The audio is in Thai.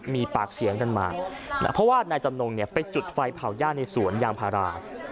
มีปากเสียงกันมาเพราะว่านายจำนงเนี่ยไปจุดไฟเผาย่าในสวนยางพารา